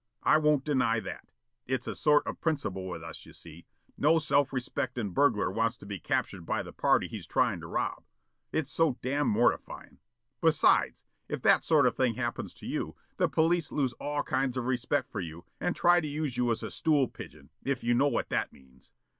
I won't deny that. It's a sort of principle with us, you see. No self respecting burglar wants to be captured by the party he's tryin' to rob. Its so damn' mortifyin'. Besides, if that sort of thing happens to you, the police lose all kinds of respect for you and try to use you as a stool pigeon, if you know what that means."